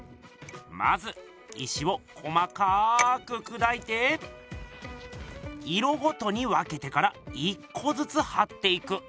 まず石を細かくくだいて色ごとに分けてから１こずつはっていく。